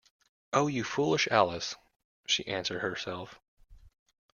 ‘Oh, you foolish Alice!’ she answered herself.